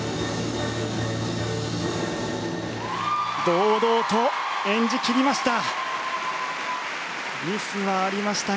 堂々と演じ切りました！